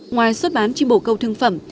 ngoài xuất bán chim bồ câu thương phẩm